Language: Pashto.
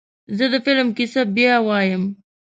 زه د فلم کیسه بیا وایم.